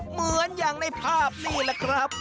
เหมือนอย่างในภาพนี่แหละครับ